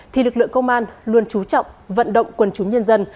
thì lực lượng công an luôn trú trọng vận động quân chúng nhân dân